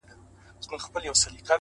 د سازو ښا ته دې جامعه الکمالات ولېږه!